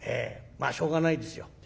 まあしょうがないですよ。